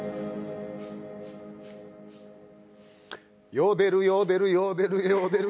ヨーデル、ヨーデル、ヨーデル